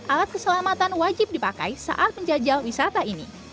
alat keselamatan wajib dipakai saat menjajal wisata ini